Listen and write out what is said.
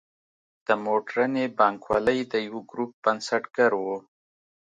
د موډرنې بانکوالۍ د یوه ګروپ بنسټګر و.